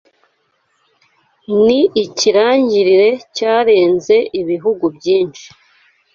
Ni ikirangirire cyarenze ibihugu byinshi